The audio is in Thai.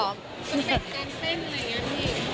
มึงเป็นการตั้งเต้นอะไรอย่างนี้